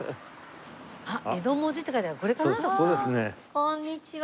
こんにちは。